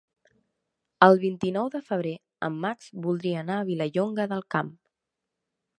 El vint-i-nou de febrer en Max voldria anar a Vilallonga del Camp.